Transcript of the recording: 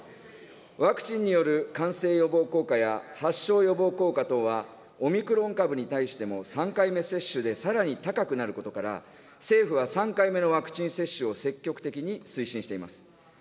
ワクチンによる感染予防効果や発症予防効果等は、オミクロン株に対しても３回目接種でさらに高くなることから、政府は３回目のワクチン接種を積極的に推進しています。